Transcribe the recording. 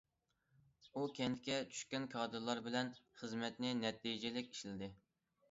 ئۇ كەنتكە چۈشكەن كادىرلار بىلەن خىزمەتنى نەتىجىلىك ئىشلىدى.